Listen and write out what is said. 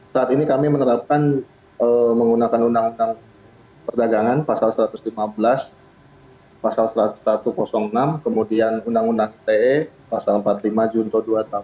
saat ini kami menerapkan menggunakan undang undang perdagangan pasal satu ratus lima belas pasal satu ratus enam kemudian undang undang ite pasal empat puluh lima junto dua ratus delapan puluh